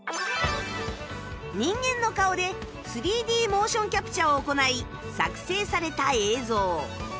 人間の顔で ３Ｄ モーションキャプチャを行い作成された映像